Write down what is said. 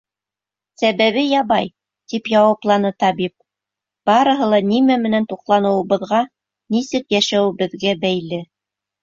— Сәбәбе ябай, — тип яуапланы табип, — барыһы ла нимә менән туҡланыуыбыҙға, нисек йәшәүебеҙгә бәйле.